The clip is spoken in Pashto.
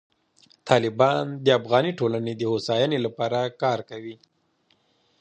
طالبان د افغاني ټولنې د هوساینې لپاره کار کوي.